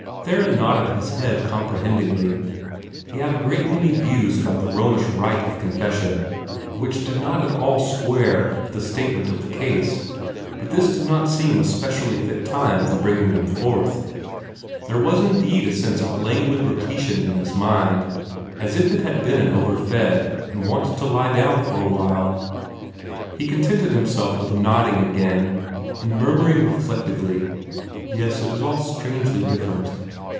Theron nodded his head comprehendingly. He had a great many views about the Romanish rite of confession which did not at all square with this statement of the case, but this did not seem a specially fit time for bringing them forth. There was indeed a sense of languid repletion in his mind, as if it had been overfed and wanted to lie down for awhile. He contented himself with nodding again, and murmuring reflectively, "Yes, it is all strangely different."